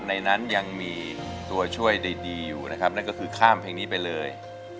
ในนั้นยังมีตัวช่วยดีอยู่นะครับนั่นก็คือข้ามเพลงนี้ไปเลย